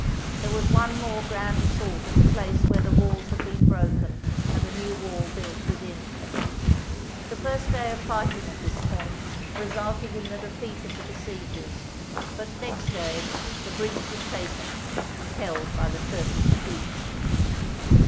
There was one more grand assault at a place where the walls had been broken and a new wall built within. The first day of fighting at this point resulted in the defeat of the besiegers, but next day the breach was taken and held by the Turkish troops.